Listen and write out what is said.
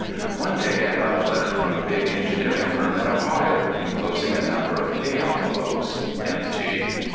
One day I got a letter from a big engineering firm in Ohio, enclosing a number of pay envelopes (empty).